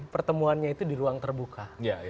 pertemuannya itu di ruang terbuka